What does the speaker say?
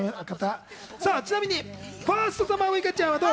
ちなみにファーストサマーウイカちゃんは、どう？